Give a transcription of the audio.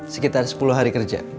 sekitar sepuluh hari kerja